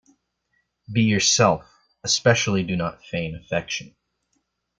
Be yourself. Especially do not feign affection.